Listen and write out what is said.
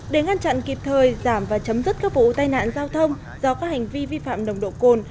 để ngăn chặn kịp thời giảm và chấm dứt các vụ tai nạn giao thông do các hành vi vi phạm nồng độ cồn